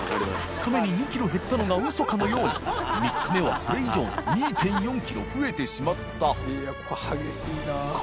磽夏椶２ｋｇ減ったのがウソかのように各椶それ以上の２．４ｋｇ増えてしまった磴